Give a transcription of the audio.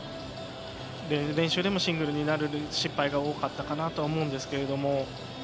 練習でもシングルになる失敗が多かったと思いますけど。